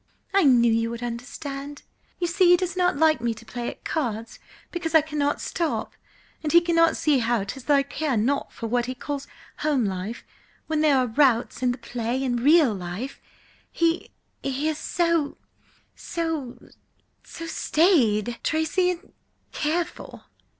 "I knew you would understand! You see, he does not like me to play at cards, because I cannot stop! And he cannot see how 'tis that I care nought for what he calls 'home life' when there are routs, and the play, and real life. He–he is so–so–so staid, Tracy, and careful!"